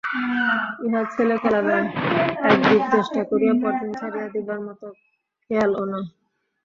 ইহা ছেলেখেলা নয়, একদিন চেষ্টা করিয়া পরদিন ছাড়িয়া দিবার মত খেয়ালও নয়।